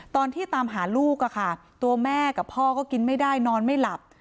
ตอนที่ตามหาลูกตัวแม่กับพ่อก็กินไม่ได้นอนไม่หลับ